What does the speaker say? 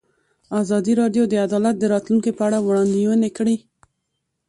ازادي راډیو د عدالت د راتلونکې په اړه وړاندوینې کړې.